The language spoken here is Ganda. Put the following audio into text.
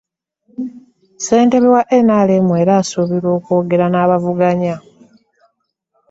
Ssentebe wa NRM era asuubirwa okwogera n'abavuganya.